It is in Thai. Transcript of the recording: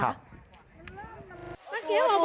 ถ่า